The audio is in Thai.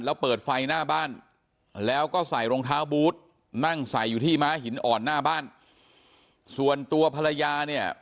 แล้วเปิดไฟหน้าบ้านแล้วก็ใส่รองเท้าบูธนั่งใส่อยู่ที่ม้าหินอ่อนหน้าบ้านส่วนตัวภรรยาเนี่ย